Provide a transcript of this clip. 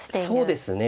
そうですね